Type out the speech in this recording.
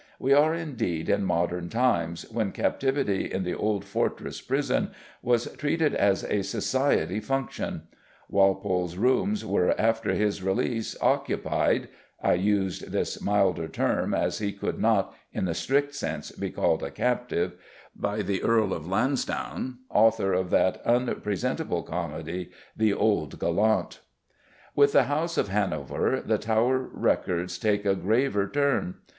We are indeed in modern times when captivity in the old fortress prison was treated as a society function; Walpole's rooms were, after his release, occupied I used this milder term, as he could not, in the strict sense, be called a captive by the Earl of Lansdowne, author of that unpresentable comedy, The Old Gallant. With the House of Hanover the Tower records take a graver turn.